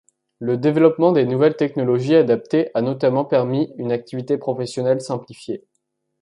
Le développement des nouvelles technologies adaptées a notamment permis une activité professionnelle simplifiée.